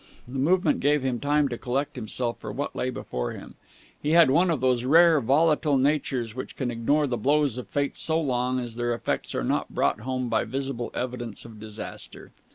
The movement gave him time to collect himself for what lay before him. He had one of those rare volatile natures which can ignore the blows of fate so long as their effects are not brought home by visible evidence of disaster.